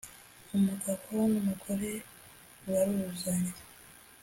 umugabo n’ umugore baruzuzanya.